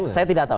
saya tidak tahu